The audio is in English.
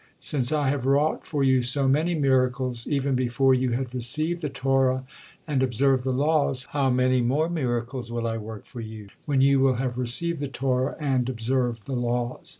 Since I have wrought for you so many miracles, even before you had received the Torah and observed the laws, how many more miracles will I work for you, when you will have received the Torah and observed the laws!